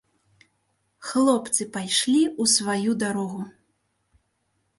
Хлопцы пайшлі ў сваю дарогу.